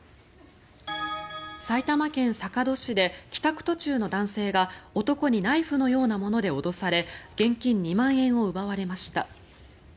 埼玉県坂戸市で帰宅途中の男性が男にナイフのようなもので脅され現金２万円を奪われました。